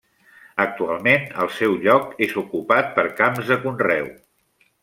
Actualment el seu lloc és ocupat per camps de conreu.